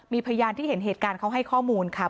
มีพยานที่เห็นเหตุการณ์เขาให้ข้อมูลค่ะ